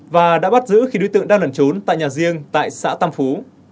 và đã bắt giữ khi đối tượng đang lẩn trốn tại nhà riêng tại xã tam phú